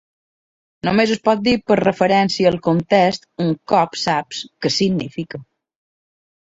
Només es pot dir per referència al context un cop saps què significa.